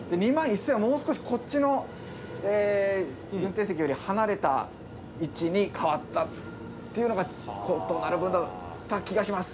２１０００はもう少しこっちの運転席より離れた位置に変わったっていうのが異なる部分だった気がします。